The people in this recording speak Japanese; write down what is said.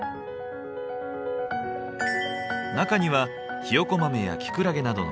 中にはひよこ豆やキクラゲなどの食材が。